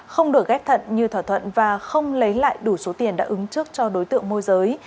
không được ghép thận như thỏa thuận và không lấy lại đủ số tiền đã ứng trước cho đối tượng môi giới